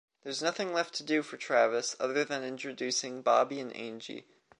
There’s nothing left to do for Travis other than introducing Bobby and Angie.